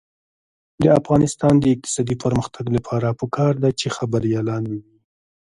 د افغانستان د اقتصادي پرمختګ لپاره پکار ده چې خبریالان وي.